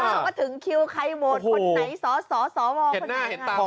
เออก็ถึงคิวใครโหวตคนไหนสสสวคนไหนคนไหน